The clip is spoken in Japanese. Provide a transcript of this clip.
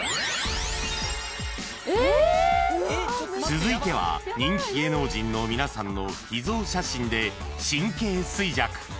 ［続いては人気芸能人の皆さんの秘蔵写真で神経衰弱］